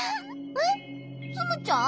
えっツムちゃん？